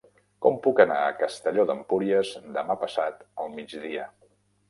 Com puc anar a Castelló d'Empúries demà passat al migdia?